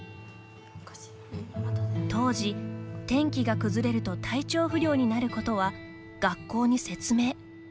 当時、天気が崩れると体調不良になることは学校に説明。